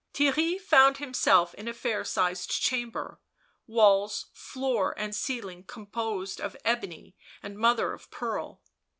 Theirry found himself in a fair sized chamber, walls, floor and ceiling composed of ebony and mother of pearl.